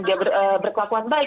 dia berkelakuan baik